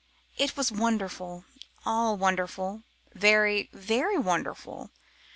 It was wonderful, all wonderful, very, very wonderful.